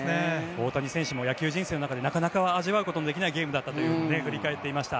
大谷選手も野球人生の中でもなかなか味わうことのできないゲームだったと振り返っていました。